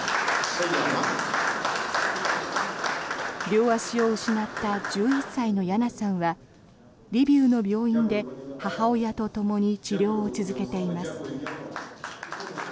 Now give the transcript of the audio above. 両足を失った１１歳のヤナさんはリビウの病院で母親とともに治療を続けています。